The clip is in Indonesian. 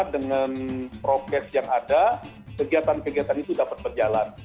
dengan prokes yang ada kegiatan kegiatan itu dapat berjalan